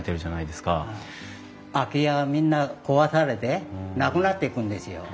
空き家がみんな壊されてなくなっていくんですよ。